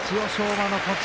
馬の勝ち。